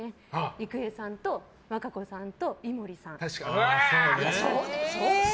郁恵さんと和歌子さんと井森さん。